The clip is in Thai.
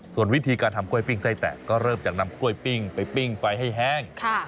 ส่วนวิธีการทำกล้วยปิ้งไส้แตะก็เริ่มจากนำกล้วยปิ้งไปปิ้งไฟให้แห้ง